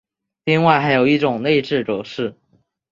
另外还有一种内置格式。